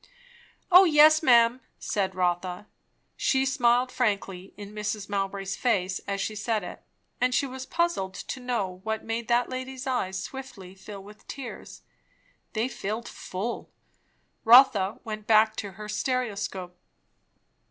"O yes, ma'am," said Rotha. She smiled frankly in Mrs. Mowbray's face as she said it; and she was puzzled to know what made that lady's eyes swiftly fill with tears. They filled full. Rotha went back to her stereoscope.